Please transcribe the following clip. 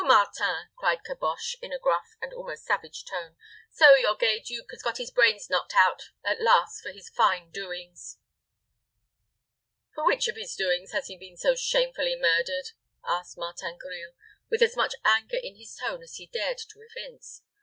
Martin," cried Caboche, in a gruff and almost savage tone, "so your gay duke has got his brains knocked out at last for his fine doings." "For which of his doings has he been so shamefully murdered?" asked Martin Grille, with as much anger in his tone as he dared to evince.